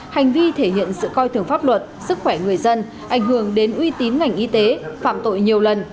hành vi thể hiện sự coi thường pháp luật sức khỏe người dân ảnh hưởng đến uy tín ngành y tế phạm tội nhiều lần